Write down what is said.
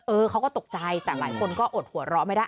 เขาก็ตกใจแต่หลายคนก็อดหัวเราะไม่ได้